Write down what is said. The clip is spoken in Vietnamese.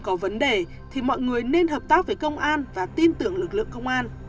có vấn đề thì mọi người nên hợp tác với công an và tin tưởng lực lượng công an